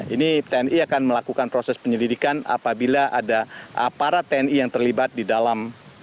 ini tni akan melakukan proses penyelidikan apabila ada aparat tni yang terlibat di dalam